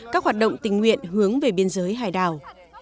các hoạt động tình nguyện hướng về biên giới hải đảo